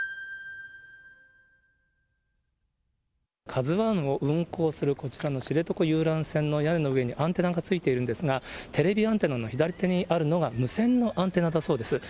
カズワンを運航するこちらの知床遊覧船の屋根の上にアンテナがついているんですが、テレビアンテナの左手にあるのが、無線のアンテナだそうです。